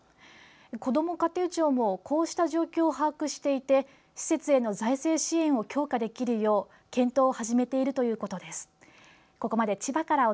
こども家庭庁もこうした状況を把握していて施設への財政支援を強化できるよう検討を始めているということです。